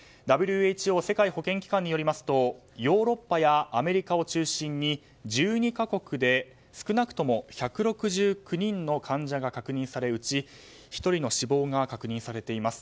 ＷＨＯ・世界保健機関によりますとヨーロッパやアメリカを中心に１２か国で少なくとも１６９人の患者が確認されうち１人の死亡が確認されています。